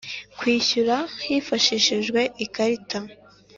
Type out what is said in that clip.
kwishyura hifashishijwe ikarita.